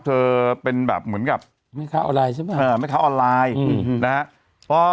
เธอเป็นแบบเหมือนกับแม่ค้าออนไลน์ใช่ไหมเออแม่ค้าออนไลน์อืมนะฮะ